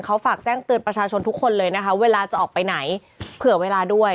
เขาฝากแจ้งเตือนประชาชนทุกคนเลยนะคะเวลาจะออกไปไหนเผื่อเวลาด้วย